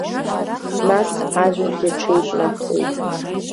Нас ажәабжь аҽеиҵнахуеит.